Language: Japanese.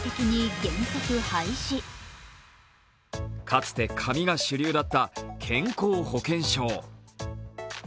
かつて紙が主流だった健康保険証。